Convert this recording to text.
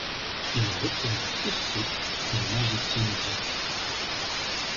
Il représente Circé, une magicienne grecque.